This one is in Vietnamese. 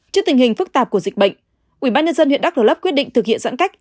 trước tình hình phức tạp của dịch bệnh ubnd huyện đắk rơ lấp quyết định thực hiện giãn cách